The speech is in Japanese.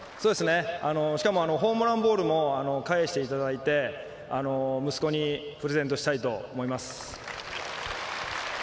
しかもホームランボールも返していただいて息子にプレゼントしたいと思います。